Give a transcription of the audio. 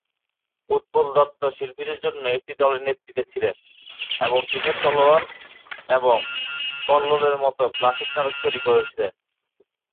উৎপল দত্ত শিল্পীদের অন্য একটি দলের নেতৃত্বে ছিলেন এবং টিনের তলোয়ার এবং কল্লোল মত ক্লাসিক নাটক তৈরি করে ছিলেন।